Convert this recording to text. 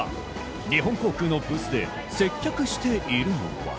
日本航空のブースで接客しているのは。